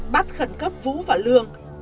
bắt khẩn cấp vũ và lương